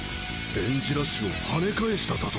デンジラッシュを跳ね返しただと！？